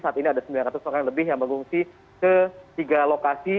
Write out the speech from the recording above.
saat ini ada sembilan ratus orang lebih yang mengungsi ke tiga lokasi